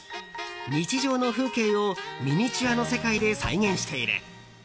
日常の風景をミニチュアの世界で再現している。